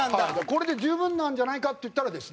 これで十分なんじゃないかって言ったらですね